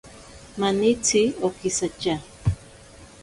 Manitsi okisatya.